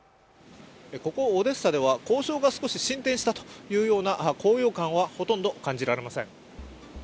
ここオデッサでは交渉が少し進展したという高揚感はほとんど感じられません。